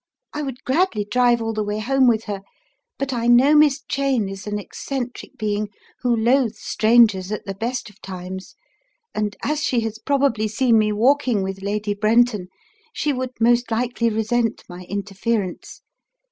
I would gladly drive all the way home with her, but I know Miss Cheyne is an eccentric being who loathes strangers at the best of times, and as she has probably seen me walking with Lady Brenton, she would most likely resent my interference.